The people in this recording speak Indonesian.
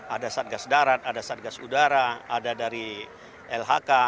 ada satgas darat ada satgas udara ada dari lhk